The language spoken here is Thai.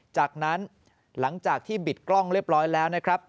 จากนั้นหลังจากที่บิดกล้องเรียบร้อยแล้วนะครับ